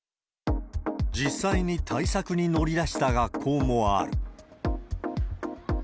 実際に対策に乗り出した学校もある。